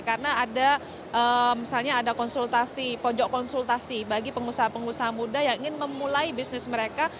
karena ada misalnya ada konsultasi pojok konsultasi bagi pengusaha pengusaha muda yang ingin memulai bisnis mereka